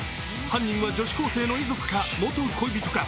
犯人は女子高生の遺族か、元恋人か